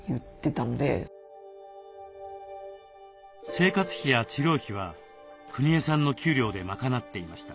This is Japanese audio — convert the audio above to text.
生活費や治療費はくにえさんの給料で賄っていました。